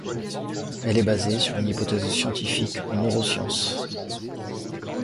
Elle est basée sur une hypothèse scientifique en neurosciences.